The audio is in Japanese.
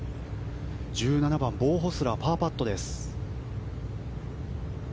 １７番、ボウ・ホスラーパーパット。